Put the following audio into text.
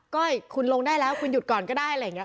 ก็คุณลงได้แล้วคุณหยุดก่อนก็ได้อะไรอย่างนี้